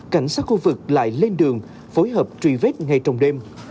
cảnh sát khu vực lại lên đường phối hợp truy vết ngay trong đêm